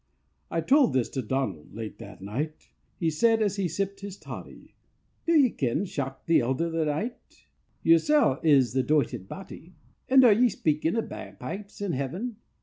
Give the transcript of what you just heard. '" I told this to Donald late that night; He said, as he sipped his toddy, "Do ye ken ye shocked the elder the night? Yersel' is the doited body. "And are ye speaking o' bagpipes in Heaven?